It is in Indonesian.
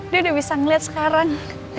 dia udah bisa ngeliat sekarang